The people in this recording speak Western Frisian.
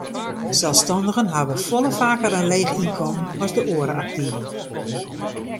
Selsstannigen hawwe folle faker in leech ynkommen as de oare aktiven.